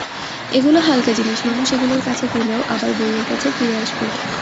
এগুলো হালকা জিনিস, মানুষ এগুলোর কাছে গেলেও আবার বইয়ের কাছে ফিরে আসবে।